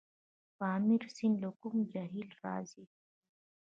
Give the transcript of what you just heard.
پامیر سیند له کوم جهیل راځي؟